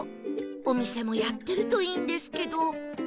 お店もやってるといいんですけど